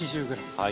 はい。